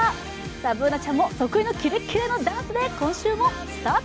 Ｂｏｏｎａちゃんも得意のキレッキレのダンスで今週もスタート。